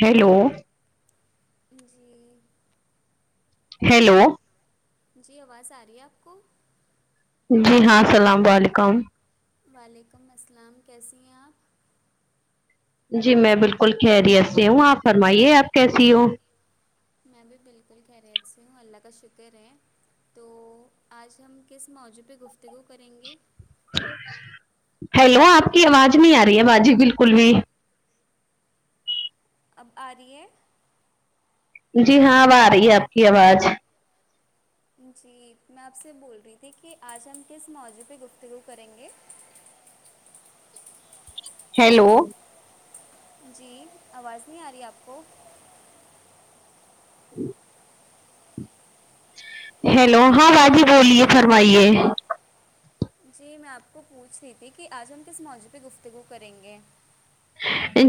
hello جی hello جی آواز آ رہی ہے آپ کو جی ہاں سلام و علیکم وعلیکم السلام کیسی ہیں آپ جی میں بالکل خیریت سے ہوں آپ فرمائیے آپ کیسی ہو میں بھی بالکل خیریت سے ہوں اللہ کا شکر ہے تو آج ہم کس موضوع پہ گفتگو کریں گے ہیلو آپ کی آواز نہیں آ رہی ہے باجی بالکل بھی اب آ رہی ہے جی ہاں اب آ رہی ہے آپ کی آواز جی میں آپ سے بول رہی تھی کہ آج ہم کس موضوع پہ گفتگو کریں گے ہیلو جی آواز نہیں آ رہی آپ کو [inaudible] ہیلو ہاں باجی بولیے فرمائیے جی میں آپ کو پوچھ رہی تھی کہ آج ہم کس موضوع پہ گفتگو کریں گے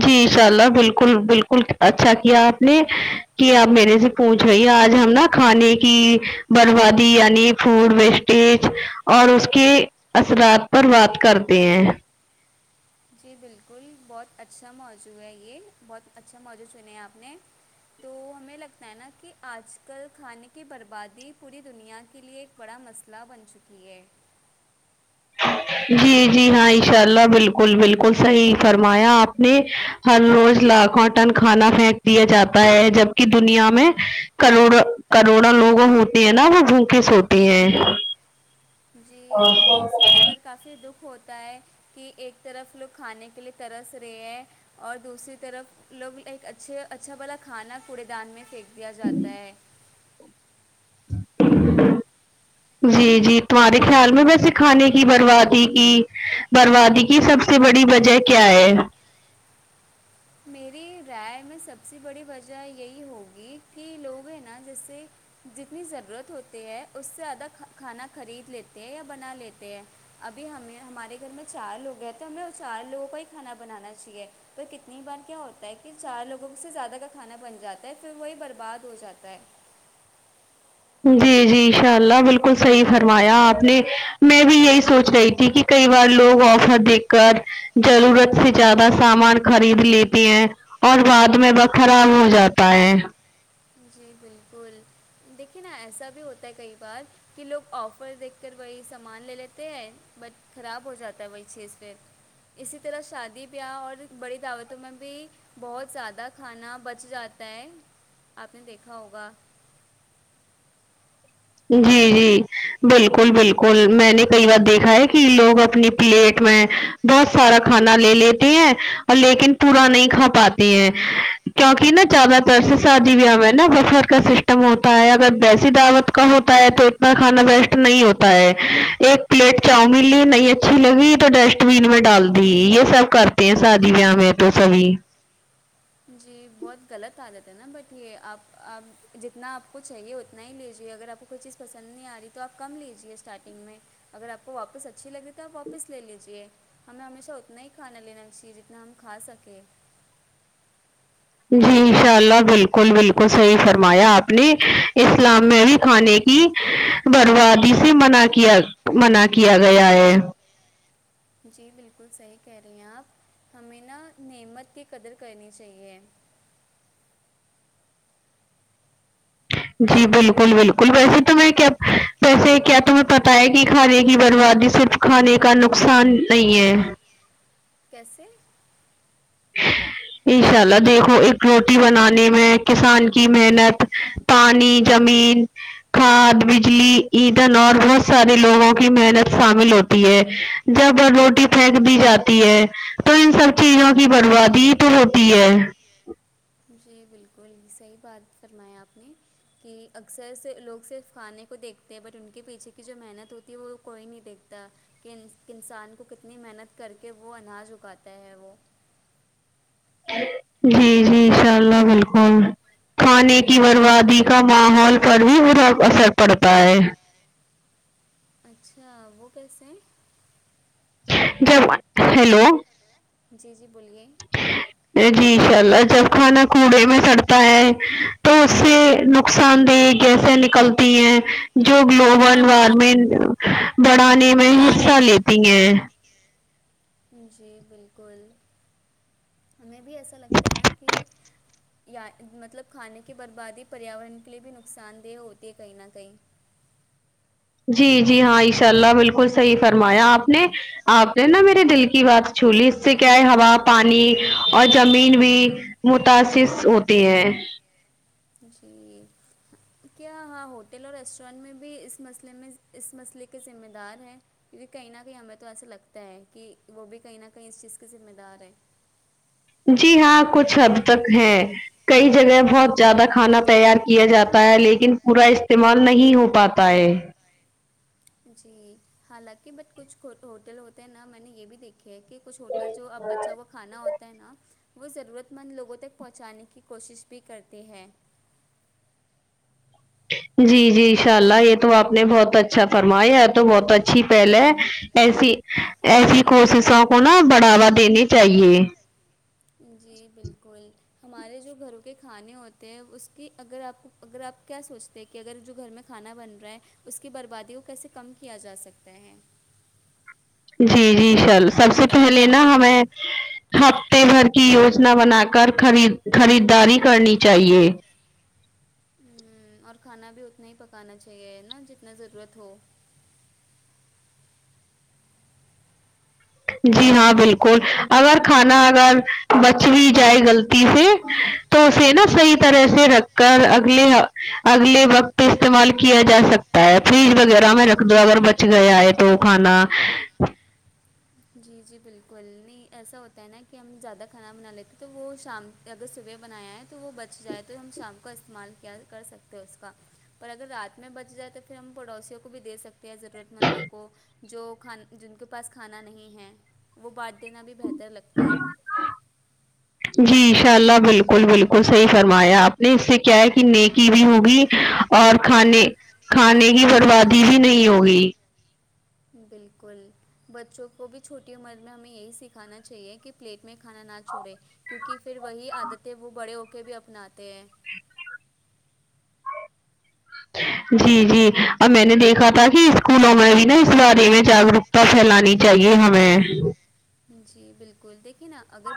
جی ان شاء اللہ بالکل بالکل اچھا کیا آپ نے کہ آپ میرے سے پوچھ رہی ہے آج ہم نا کھانے کی بربادی یعنی فوڈ ویسٹیج اور اس کے اثرات پر بات کرتے ہیں جی بالکل بہت اچھا موضوع ہے یہ بہت اچھا موضوع چنے ہیں آپ نے تو ہمیں لگتا ہے نا کہ آج کل کھانے کی بربادی پوری دنیا کے لیے بڑا مسئلہ بن چکی ہے جی جی ہاں ان شاء اللہ بالکل بالکل صحیح فرمایا آپ نے ہر روز لاکھوں ٹن کھانا پھینک دیا جاتا ہے جبکہ دنیا میں کروڑ کروڑوں لوگ ہوتے ہیں نا وہ بھوکے سوتے ہے جی یہ سوچ کر کافی دکھ ہوتا ہے کہ ایک طرف لوگ کھانے کے لیے ترس رہے ہیں اور دوسری طرف لوگ ایک اچھے اچھا والا کھانا کوڑے دان میں پھینک دیا جاتا ہے جی جی تمہارے خیال میں ویسے کھانے کی بربادی کی بربادی کی سب سے بڑی وجہ کیا ہے میری رائے میں سب سے بڑی وجہ یہی ہوگی کہ لوگ ہیں نا جیسے جتنی ضرورت ہوتی ہے اس سے زیادہ کھانا خرید لیتے ہیں یا بنا لیتے ہیں ابھی ہمیں ہمارے گھر میں چار لوگ ہیں تو ہمیں وہ چار لوگوں کا ہی کھانا بنانا چاہیے تو کت کئی بار کیا ہوتا ہے کہ چار لوگوں سے زیادہ کا کھانا بن جاتا ہے پھر وہی برباد ہو جاتا ہے جی جی انشاء اللہ بالکل صحیح فرمایا آپ نے میں بھی یہی سوچ رہی تھی کہ کئی بار لوگ آفر دیکھ کر ضرورت سے زیادہ سامان خرید لیتے ہیں اور بعد میں وہ خراب ہو جاتا ہے جی بالکل دیکھیے نا ایسا بھی ہوتا ہے کئی بار کہ لوگ آفر دیکھ کر وہی سامان لے لیتے ہیں بٹ خراب ہو جاتا ہے وہی چیز پھر اسی طرح شادی بیاہ اور بڑی دعوتوں میں بھی بہت زیادہ کھانا بچ جاتا ہے آپ نے دیکھا ہوگا جی جی بالکل بالکل میں نے کئی بار دیکھا ہے کہ لوگ اپنی پلیٹ میں بہت سارا کھانا لے لیتے ہیں اور لیکن پورا نہیں کھا پاتے ہیں کیونکہ نا زیادہ تر سے شادی ووہ میں نا بفر کا سسٹم ہوتا ہے اگر ویسی دعوت ہوتا ہے تو اتنا کھانا ویسٹ نہیں ہوتا ہے ایک پلیٹ چاؤمین لی نہیں اچھی لگی تو ڈسٹ بین میں ڈال دی یہ سب کرتے ہیں شادی ویا میں تو سبھی جی بہت غلط عادت ہے نا بٹ یہ آپ آپ جتنا آپ کو چاہیے اتنا ہی لیجیے اگر آپ کو کوئی چیز پسند نہیں آ رہی تو آپ کم لیجیے اسٹارٹنگ میں اگر آپ کو واپس اچھی لگی تو آپ واپس لے لیجیے ہمیں ہمیشہ اتنا ہی کھانا لینا چاہیے جتنا ہم کھا سکے جی انشاء اللہ بالکل بالکل صحیح فرمایا آپ نے اسلام میں بھی کھانے کی کی بربادی سے منع کیا منع کیا گیا ہے جی بالکل صحیح کہہ رہی ہیں آپ ہمیں نا نعمت کی قدر کرنی چاہیے جی بالکل بالکل ویسے تمہیں کیا ویسے کیا تمہیں پتہ ہے کی کھانے کی بربادی صرف کھانے کا نقصان نہیں ہے کیسے انشاء اللہ دیکھو ایک روٹی بنانے میں کسان کی محنت پانی زمین کھاد بجلی ایندھن اور بہت سارے لوگوں کی محنت شامل ہوتی ہے جب روٹی پھینک دی جاتی ہے تو ان سب چیزوں کی بربادی ہی تو ہوتی ہے جی بالکل صحیح بات فرمایا آپ نے کی اکثر سے لوگ صرف کھانے کو دیکھتے ہیں بٹ ان کے پیچھے کی جو محنت ہوتی ہے وہ کوئی نہیں دیکھتا کنس کسان کو کتنی محنت کر کے وہ اناج اگاتا ہے وہ جی جی ان شاء اللہ بالکل کھانے کی ہوں، بربادی کا ماحول پر بھی برا اثر پڑتا ہے اچھا وہ کیسے ہیں جب ہیلو جی جی بولیے جی ان شاء اللہ جب کھانا کوڑے میں سڑتا ہے تو اس سے نق صان دے گیسے نکلتی ہیں جو گلوبل وارمنگ بڑھانے میں حصہ لیتی ہیں جی بالکل ہمیں بھی ایسا لگتا ہے نا کی یا مطلب کھانے کی بربادی پریاورن کے لیے بھی نقصان دہ ہوتی ہے کہیں نہ کہیں جی جی ہاں انشاء اللہ بالکل صحیح فرمایا آپ نے آپ نے نا میرے دل کی بات چھو لی اس سے کیا ہے ہوا پانی اور زمین بھی متاثر ہوتے ہیں جی کیا ہاں ہوٹل اور ریسٹورینٹ میں بھی اس مسئلے میں اس مسئلے کے ذمہ دار ہیں کیونکی کہیں نہ کہیں ہمیں تو ایسا لگتا ہے کی وہ بھی کہیں نہ کہیں اس چیز کی ذمہ دار ہے جی ہاں کچھ حد تک ہے کئی جگہ بہت زیادہ کھانا تیار کیا جاتا ہے لیکن پورا استعمال نہیں ہو پاتا ہے جی حالانکہ بٹ کچھ ہوٹل ہوتے ہیں نا میں نے یے بھی دیکھا کہ کچھ ہوٹل جو اب بچا ہوا کھانا ہوتا ہے نا وہ ضرورت مند لوگوں تک پہنچانے کی کوشش بھی کرتے ہیں جی جی ان شاء اللہ یے تو آپ نے بہت اچھا فرمایا یے تو بہت اچھی پہلے ایسی ایسی کوششوں کو نا بڑھاوا دینی چاہیے جی بالکل ہمارے جو گھروں کے کھانے ہوتے ہیں اس کی اگر آپ کو اگر آپ کیا سوچتے تے کہ اگر جو گھر میں کھانا بن رہا ہے اس کی بربادی کو کیسے کم کیا جا سکتا ہے جی جی سر سب سے پہلے نا ہمیں ہفتے بھر کی یوجنا بنا کر خرید خریداری کرنی چاہیے ہ اور کھانا بھی اتنا ہی پکانا چاہیے نا جتنا ضرورت ہو جی ہیلو ہاں ہوں بالکل اگر کھانا اگر بچ بھی اغلےگجائے غلطی سے تو اسے نا صحیح طرح سے رکھ کل اگلے وقت استعمال کیا جا سکتا ہے فریج وغیرہ میں رکھ دو اگر ب گیا ہے تو کھانا جی جی بالکل نہیں ایسا ہوتا ہے نا کہ ہم زیادہ کھانا بنا لیتے تو وہ شام اگر صبح بنایا ہے تو وہ بچ جائے تو ہم شام کا استعمال کیا کر سکتے ہیں اس کا پر اگر رات میں بچ جائے تو پھر ہم پڑوسیوں کو بھی دے سکتے ہیں ضرورت مند لوگوں کو جو کھانا جن کے پاس کھانا نہیں ہے وہ بانٹ دینا بھی بہتر لگتا ہے جی انشاء اللہ بالکل بالکل صحیح فرمایا آپ نے اس سے کیا ہے کہ نیکی بھی ہوگی اور کھانے کھانے کی بربادی بھی نہیں ہوگی بالکل بچوں کو بھی چھوٹی عمر میں ہمیں یہی سکھانا چاہیے کہ پلیٹ میں کھانا نہ چھوڑے کیونکہ پھر وہی عادتیں وہ بڑے ہو کے بھی اپناتے ہیں جی جی ا میں نے دیکھا تھا کہ اسکول اور میں بھی نا اس بارے میں جاگروک تو پھیلانی چاہیے ہمیں جی بالکل دیکھیے نا اگر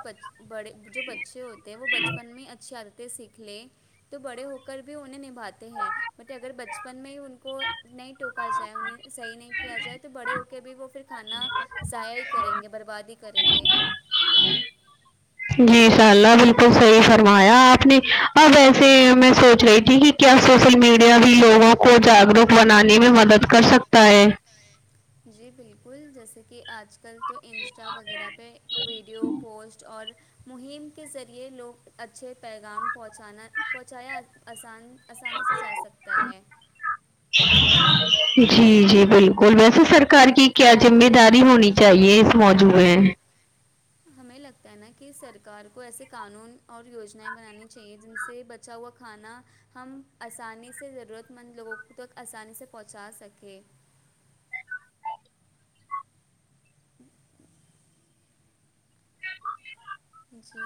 بڑے جو بچے ہوتے وہ بچپن میں اچھے عادتیں سیکھ لے تو بڑے ہو کر بھی انہیں نبھاتے ہیں بٹ اگر بچپن میں ہی ان کو نہیں ٹوکا جائے انہیں صحیح نہیں کیا جائے تو بڑے ہو کے بھی وہ پھر کھانا ضائع ہی کریں گے برباد ہی کریں گے جی شاء اللہ بالکل صحیح فرمایا آپ نے اب ایسے میں سوچ رہی تھی کہ کیا سوشل میڈیا بھی لوگوں کو جاگروک بنانے میں مدد کر سکتا ہے جی بالکل جیسے کہ آج کل تو انسٹا وغیرہ پہ ویڈیو پوسٹ اور مہم کے ذریعے لوگ اچھے پیغام پہنچانا پہنچایا آسان آسانی سے جا سکتا ہے جی جی بالکل ویسے سرکار کی کیا ذمہ داری ہونی چاہیے اس موضوع میں ہمیں لگتا ہے نا کہ سرکار کو ایسے قانون اور یوجنائیں بنانی چاہیے جن سے ب بچا ہوا کھانا ہم آسانی سے ضرورت مند لوگوں تک آسانی سے پہنچا سکیں [inaudible] جی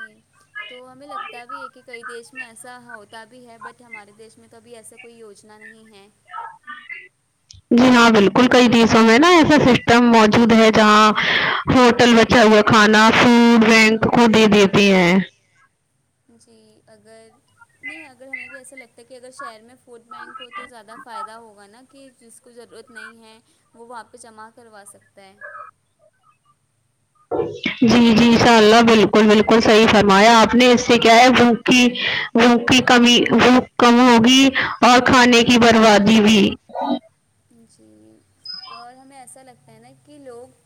تو ہمیں لگتا بھی ہے کہ کئی دیش میں ایسا ہوتا بھی ہے بٹ ہمارے دیش میں کبھی ایسا کوئی یوجنا نہیں ہے جی ہاں بالکل کئی دیسوں میں نا ایسا سسٹم موجود ہے جہاں ہوٹل بچا ہوا کھانا فوڈ وین کو دے دیتی ہیں جی اگر نہیں اگر ہمیں بھی ایسا لگتا ہے کہ اگر شہر میں فوڈ بینک ہو تو زیادہ فائدہ ہوگا نا کہ ج کو ضرورت نہیں ہے وہاں پہ جمع کروا سکتا ہے جی جی ان شاء اللہ بالکل بالکل صحیح فرمایا آپ نے اس سے کیا ہے بک بھوک کی کمی بھوک کم ہوگی اور کھانے کی بربادی بھی جی اور ہمیں ایسا لگتا ہے نا کہ لوگ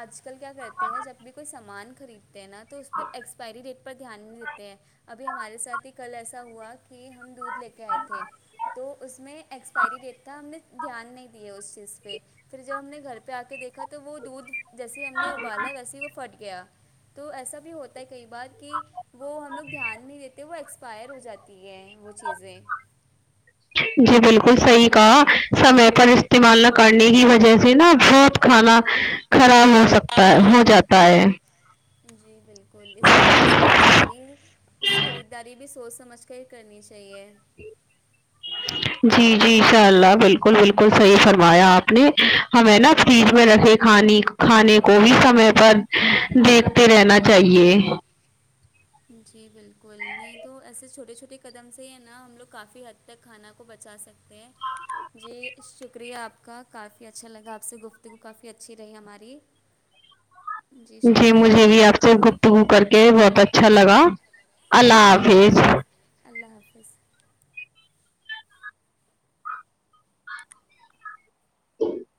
آج کل کیا کرتے ہیں جب بھی کوئی سامان خریدتے ہیں نا تو اس پہ ایکسپائری ڈیٹ دھیان نہیں دیتے ہیں ابھی ہمارے ساتھ ہی کل ایسا ہوا کہ ہم دودھ لے کے آئے تھے تو اس میں ایکسپائری ڈیٹ تھا ہم نے دھیان نہیں دیا اس چیز پہ پھر جب ہم نے گھر پہ آ کے دیکھا تو وہ دودھ جیسے ہم نے ابالا ویسے ہی وہ پھٹ گیا تو ایسا بھی ہوتا کئی بار کہ وہ ہم لوگ دھیان نہیں دیتے وہ ایکسپائر ہو جاتی ہے وہ چیزیں جی بالکل صحیح کہا سمے پر استعمال نہ کرنے کی وجہ سے نا بہت کھانا خراب ہو سکتا ہے ہو جاتا ہے جی بالکل اس لیے نا سمجھداری خریداری بھی سوچ سمجھ ک کرنی چاہیے جی جی انشاء اللہ بالکل بالکل صحیح فرمایا آپ نے ہمیں نا جی فریج میں رکھے کھانی کھانے کو بھی سمے پر دیکھتے رہنا چاہیے جی بالکل نہیں تو ایسے چھوٹے چھوٹے قدم سے ہی ہے نا ہم لوگ کافی حد تک کھانا کو بچا سکتے پ جی شکریہ آپ کا کافی اچھا لگا آپ سے گفتگو کافی اچھی رہی ہماری [inaudible] جی شکریہ مجھے بھی کا آپ سے گفتگو کر کے بہت اچھا لگا اللہ حافظ اللہ حافظ [inaudible] ج [inaudible]